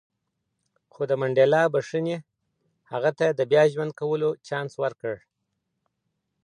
خو د منډېلا بښنې هغه ته د بیا ژوند کولو چانس ورکړ.